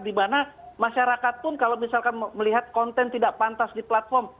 dimana masyarakat pun kalau misalkan melihat konten tidak pantas di platform